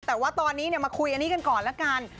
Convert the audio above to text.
แต่ว่าตอนนี้มาคุยอันนี้กันก่อนละกัน